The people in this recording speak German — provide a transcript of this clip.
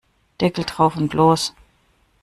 Deckel drauf und los!